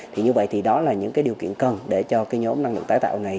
thì như vậy thì đó là những cái điều kiện cần để cho cái nhóm năng lượng tái tạo này